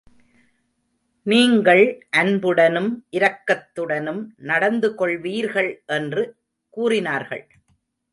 நீங்கள் அன்புடனும் இரக்கத்துடனும் நடந்து கொள்வீர்கள் என்று கூறினார்கள்.